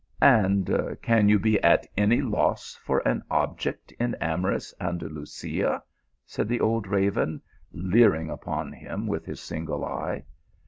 " And can you be at any loss for an object in am orous Andalusia," said the old raven, leering upon trim wiLi his single eye.